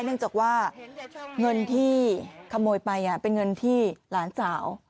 เนื่องจากว่าเงินที่ขโมยไปเป็นเงินที่หลานสาว